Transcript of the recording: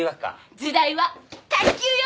時代は卓球よ！